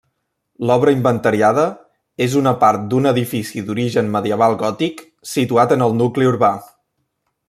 L'obra inventariada és una part d'un d'edifici d'origen medieval gòtic situat en el nucli urbà.